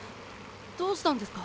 どうしたんですか？